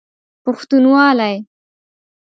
پښتونوالی